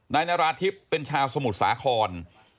นายนาราธิบเป็นชาวสมุทรสาคร